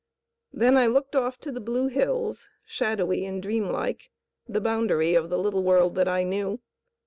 Then I looked off to the blue hills, shadowy and dream like, the boundary of the little world that I knew.